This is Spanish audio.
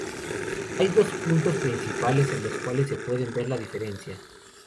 Hay dos puntos principales en los cuales se puede ver la diferencia.